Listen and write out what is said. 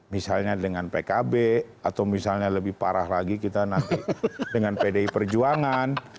misalnya dengan pkb atau misalnya lebih parah lagi kita nanti dengan pdi perjuangan